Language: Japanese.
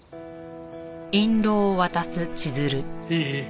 いい？